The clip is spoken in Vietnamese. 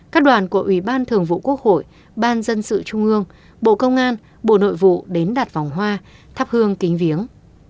các đoàn của ủy ban thường vụ quốc hội ban dân sự trung ương bộ công an bộ nội vụ đến đặt vòng hoa thắp hương kính viếng